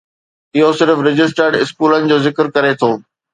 اهو صرف رجسٽرڊ اسڪولن جو ذڪر ڪري ٿو.